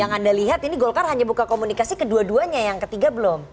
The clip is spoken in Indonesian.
yang anda lihat ini golkar hanya buka komunikasi kedua duanya yang ketiga belum